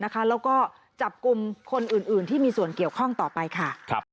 แล้วก็จับกลุ่มคนอื่นที่มีส่วนเกี่ยวข้องต่อไปค่ะ